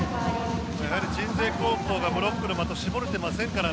鎮西高校が、ブロックの的を絞れてませんから。